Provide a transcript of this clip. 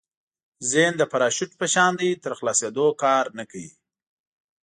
ذهن د پراشوټ په شان دی تر خلاصېدو کار نه کوي.